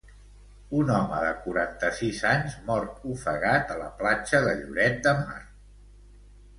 Un home de quaranta-sis anys mort ofegat a la platja de Lloret de Mar.